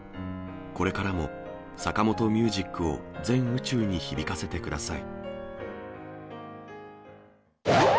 これからもサカモト・ミュージックを全宇宙に響かせてください。